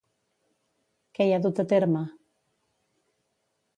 Què hi ha dut a terme?